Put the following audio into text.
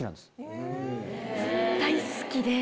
大好きで。